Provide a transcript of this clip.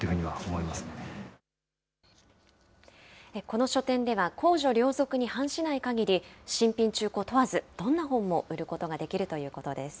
この書店では、公序良俗に反しないかぎり、新品、中古問わず、どんな本も売ることができるということです。